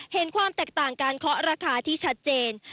เห็นความแตกต่างการเคาะราคาที่ชัดเจน